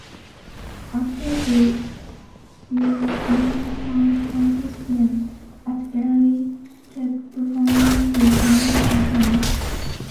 After their Eurovision Song Contest win, Atari kept performing with Milk and Honey.